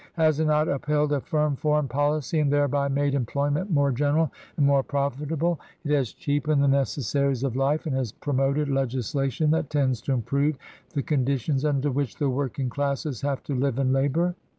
Has it not upheld a firm Foreign Policy and thereby made employment more general and more profitable? It has cheapened the 214 TRANSITION. necessaries of life, and has promoted legislation that tends to improve the conditions under which the work ing classes have to live and labour.